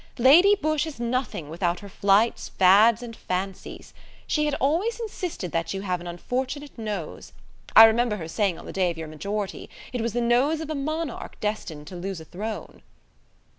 "Lady Busshe is nothing without her flights, fads, and fancies. She has always insisted that you have an unfortunate nose. I remember her saying on the day of your majority, it was the nose of a monarch destined to lose a throne."